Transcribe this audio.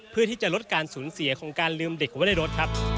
เพื่อที่จะลดการสูญเสียของการลืมเด็กไว้ในรถครับ